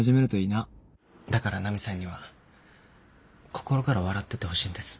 だからナミさんには心から笑っててほしいんです